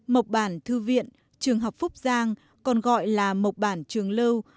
mộc bản thư viện trường học phúc giang còn gọi là mộc bản trường lâu